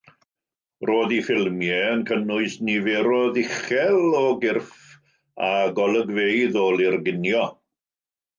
Roedd ei ffilmiau yn cynnwys niferoedd uchel o gyrff a golygfeydd o lurgunio.